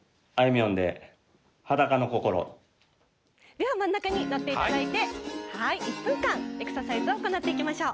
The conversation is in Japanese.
では真ん中にのって頂いて１分間エクササイズを行っていきましょう。